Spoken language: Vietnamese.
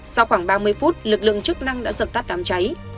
sau khoảng ba mươi phút lực lượng chức năng đã dập tắt đám cháy